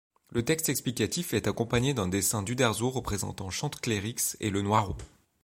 Le texte explicatif est accompagné d’un dessin d’Uderzo représentant Chanteclairix et Le Noiraud.